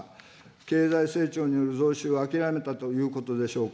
経済成長による増収を諦めたということでしょうか。